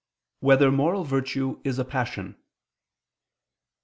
1] Whether Moral Virtue Is a Passion?